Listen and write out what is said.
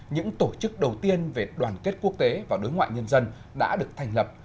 những tổ chức đầu tiên về đoàn kết quốc tế và đối ngoại nhân dân đã được thành lập